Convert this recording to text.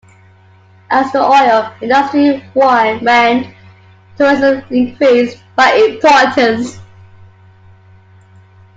As the oil industry waned, tourism increased in importance.